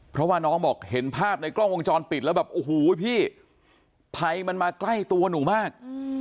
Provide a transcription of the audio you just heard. เพราะว่าน้องบอกเห็นภาพในกล้องวงจรปิดแล้วแบบโอ้โหพี่ภัยมันมาใกล้ตัวหนูมาก